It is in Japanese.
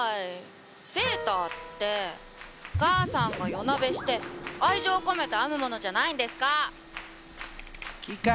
セーターって母さんが夜なべして愛情込めて編むものじゃないんですか！